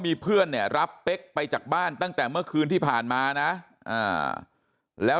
มีเพื่อนเนี่ยรับเป๊กไปจากบ้านตั้งแต่เมื่อคืนที่ผ่านมานะแล้ว